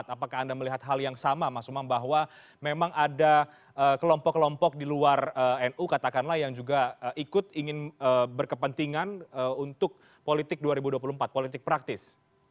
apakah anda melihat hal yang sama mas umam bahwa memang ada kelompok kelompok di luar nu katakanlah yang juga ikut ingin berkepentingan untuk politik dua ribu dua puluh empat politik praktis